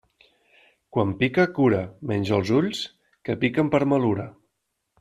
Quan pica cura, menys els ulls, que piquen per malura.